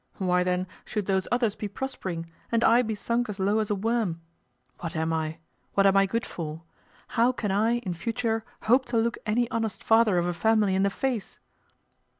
Why, then, should those others be prospering, and I be sunk as low as a worm? What am I? What am I good for? How can I, in future, hope to look any honest father of a family in the face?